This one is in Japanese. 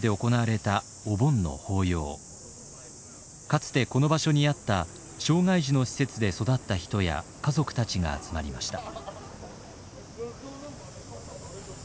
かつてこの場所にあった障害児の施設で育った人や家族たちが集まりました。